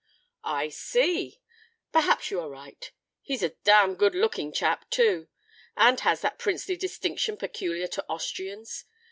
"I see. Perhaps you are right. He's a damn good looking chap, too, and has that princely distinction peculiar to Austrians.